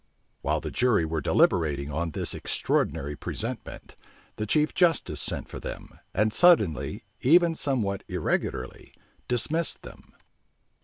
While the jury were deliberating on this extraordinary presentment, the chief justice sent for them, and suddenly, even somewhat irregularly, dismissed them.